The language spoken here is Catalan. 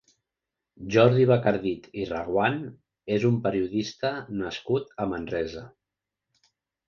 Jordi Bacardit i Reguant és un periodista nascut a Manresa.